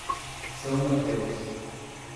São Mateus